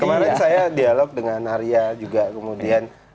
kemarin saya dialog dengan arya juga kemudian